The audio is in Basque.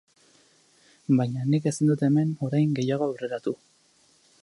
Baina nik ezin dut hemen, orain, gehiago aurreratu.